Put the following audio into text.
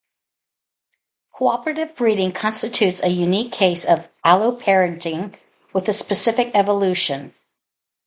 Cooperative breeding constitutes a unique case of alloparenting with a specific evolution.